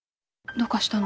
どうかしたの？